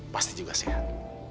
pasti juga sehat